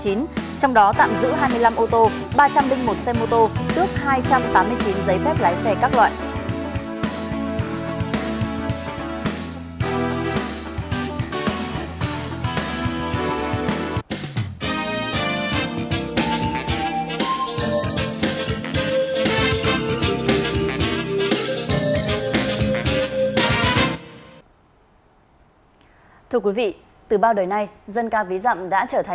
trong đó tạm giữ hai mươi năm ô tô ba trăm linh một xe mô tô tước hai trăm tám mươi chín giấy phép lái xe các loại